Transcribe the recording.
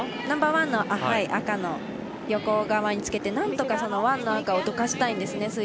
ナンバーワンの赤の横側につけてなんとかワンの赤をどかしたいんですね